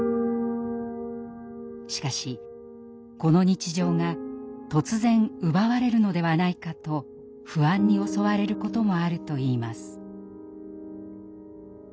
しかしこの日常が突然奪われるのではないかと不安に襲われることもあるといいます。